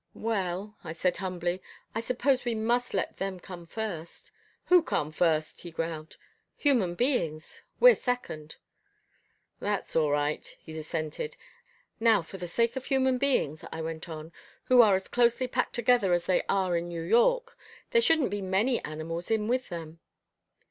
"Well," I said humbly, "I suppose we must let them come first." "Who come first?" he growled. "Human beings we're second." "That's all right," he assented. "Now for the sake of human beings," I went on, "who are as closely packed together as they are in New York, there shouldn't be many animals in with them."